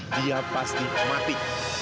dia pasti mati